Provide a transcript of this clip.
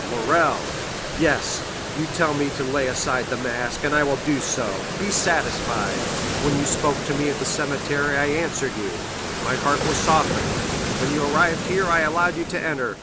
"Morrel——" "Yes; you tell me to lay aside the mask, and I will do so, be satisfied! When you spoke to me at the cemetery, I answered you—my heart was softened; when you arrived here, I allowed you to enter.